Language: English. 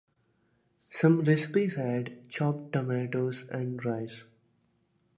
Some recipes add chopped tomatoes and rice.